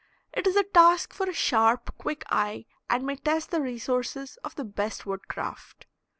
It is a task for a sharp, quick eye, and may test the resources of the best wood craft.